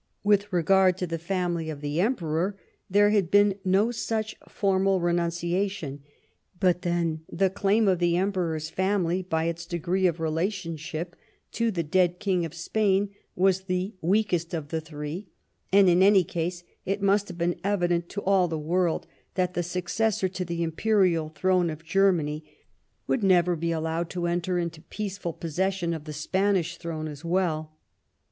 With regard to the family of the Emperor, there had been no such formal renunciation, but then the claim of the Emperor's family by its degree of relationship 38 WHAT THE QUEEN CAME TO— ABROAD to the dead King of Spain was the weakest of the three, and in any case it must have been evident to all the world that the successor to the imperial throne of Germany would never be allowed to enter into peace ful possession of the Spanish throne as well.